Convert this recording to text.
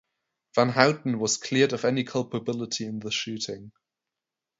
Van Houten was cleared of any culpability in the shooting.